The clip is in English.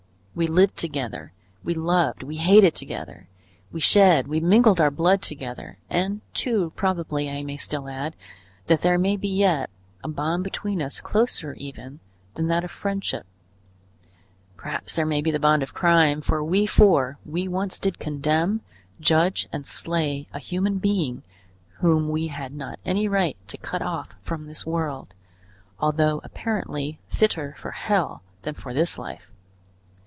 We lived together, we loved, we hated together; we shed, we mingled our blood together, and too probably, I may still add, that there may be yet a bond between us closer even than that of friendship; perhaps there may be the bond of crime; for we four, we once did condemn, judge and slay a human being whom we had not any right to cut off from this world, although apparently fitter for hell than for this life.